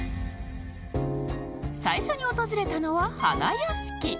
最初に訪れたのは花やしき